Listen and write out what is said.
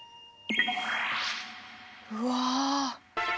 うわ。